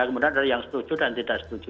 kemudian ada yang setuju dan tidak setuju